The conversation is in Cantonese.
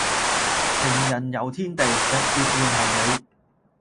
情人遊天地日月換行李